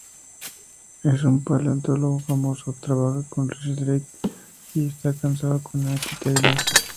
Es un paleontólogo famoso, trabaja con Reese Drake y está casado con Aki Taylor.